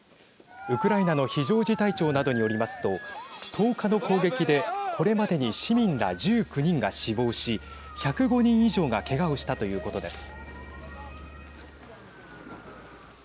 ウクライナの非常事態庁などによりますと１０日の攻撃でこれまでに市民ら１９人が死亡し１０５人以上がけがをしたということです。